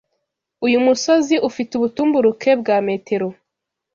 Uyu musozi ufite ubutumburuke bwa metero ..